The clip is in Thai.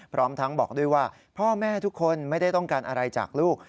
พร้อมทั้งบอกด้วยว่าพ่อแม่ทุกคนไม่ได้ต้องการอะไรจากลูก